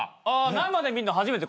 生で見んの初めて？